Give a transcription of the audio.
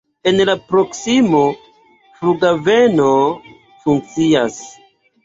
En la proksimo flughaveno funkcias.